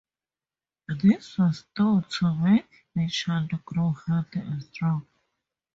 This was thought to make the child grow healthy and strong.